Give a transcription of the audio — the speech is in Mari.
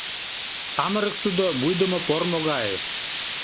Самырык тудо вуйдымо пормо гай.